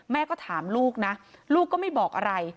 แม่ก็ถามลูกนะลูกก็ไม่บอกอะไร